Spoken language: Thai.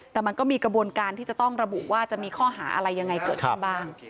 แต่มันก็มีกระบวนการที่จะต้องระบุว่าจะมีข้อหาอะไรยังไงเกิดขึ้นบ้าง